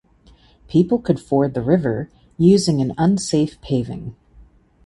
People could ford the river using an unsafe paving.